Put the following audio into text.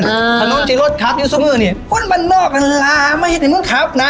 ถ้าน้องจะยอดครับอยู่ซะเมื่อนี้ปุ๊ดมานอกละลามาเห็นเหรอไม่รู้ครับ